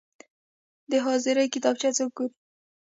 د حاضري کتاب څوک ګوري؟